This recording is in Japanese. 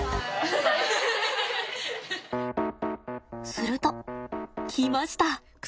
すると来ました。